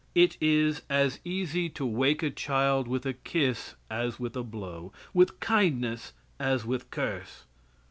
It is as easy to wake a child with a kiss as with a blow; with kindness as with curse.